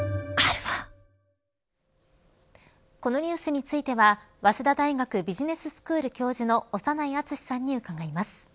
このニュースについては早稲田大学ビジネススクール教授の長内厚さんに伺います。